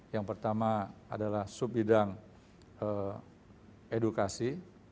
yang pertama adalah sub bidang edukasi